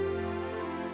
amin ya allah